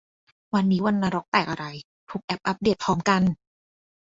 วันนี้วันนรกแตกอะไร ทุกแอปอัปเดตพร้อมกัน !